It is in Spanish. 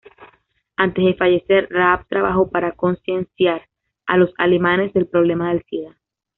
Antes de fallecer, Raab trabajó para concienciar a los alemanes del problema del sida.